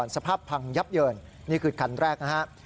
สภาพพังยับเยินนี่คือคันแรกนะครับ